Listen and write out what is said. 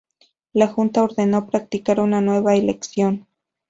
La Junta ordenó practicar una nueva elección.